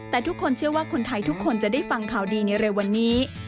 แต่ทุกคนเชื่อว่าคนไทยทุกคนจะได้ฟังข่าวดีในเร็ววันนี้